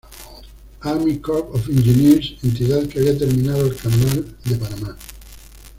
Army Corps of Engineers entidad que había terminado el canal de Panamá.